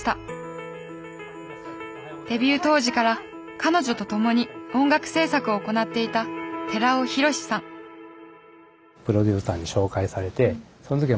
デビュー当時から彼女と共に音楽制作を行っていたそれが坂井泉水さんの本名です。